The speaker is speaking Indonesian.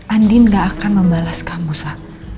andien gak akan membalas kamu sa